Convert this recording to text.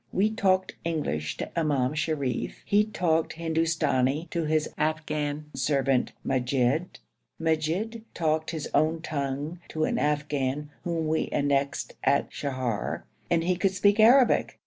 We talked English to Imam Sharif, he talked Hindustani to his Afghan servant Majid, Majid talked his own tongue to an Afghan whom we annexed at Sheher, and he could speak Arabic.